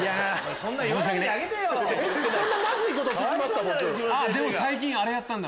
そんなまずいこと聞きました？